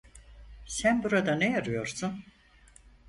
Sen burada ne arıyorsun?